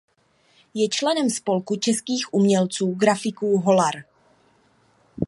Je členem Spolku českých umělců grafiků Hollar.